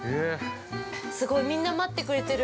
すごいみんな待ってくれてる。